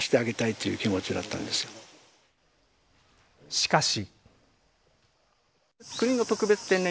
しかし。